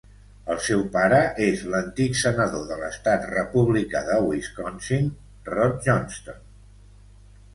El seu pare és l'antic senador de l'estat republicà de Wisconsin, Rod Johnston.